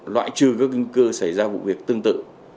loại trừ các kinh cư xảy ra vụ việc tương tự